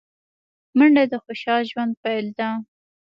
منډه د خوشال ژوند پيل دی